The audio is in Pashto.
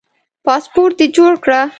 پاسپورټ دي جوړ کړه